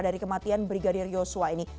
dari kematian brigadir yosua ini